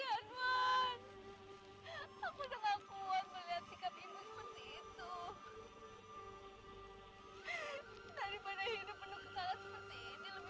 aneh kok kampungku jauh sekali dari hutan ini